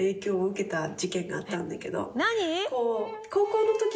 何？